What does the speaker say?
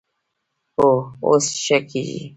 هو، اوس ښه کیږي